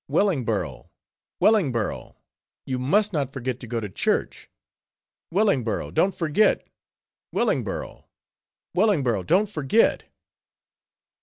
_"Wellingborough! Wellingborough! you must not forget to go to church, Wellingborough! Don't forget, Wellingborough! Wellingborough! don't forget."